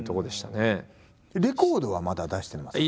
レコードはまだ出してませんか？